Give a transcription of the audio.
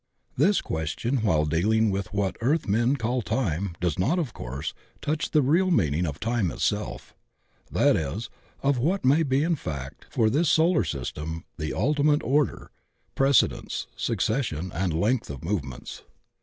This question while dealing with what earth men call time does not, of course, touch the real meaning of time itself, that is, of what may be in fact for this solar system the ultimate order, precedence, succes sion, and length of moments.